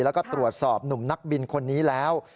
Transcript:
แล้วก็ตรวจสอบหนุ่มนักบินคนนี้แล้ว